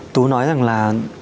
tú nói rằng là